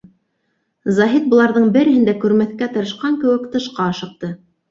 Заһит, быларҙың береһен дә күрмәҫкә тырышҡан кеүек, тышҡа ашыҡты.